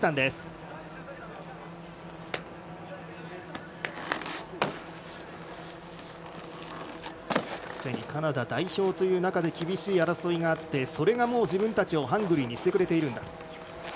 すでにカナダ代表という中で厳しい争いがあってそれが自分たちをハングリーにしてくれているんだと。